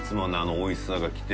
おいしさがきて。